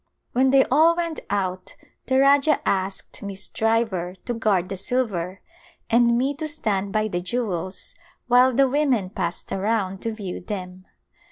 When they all went out the Rajah asked Miss Driver to guard the silver and me to stand by the jewels while the women passed around to view them.